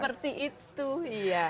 seperti itu iya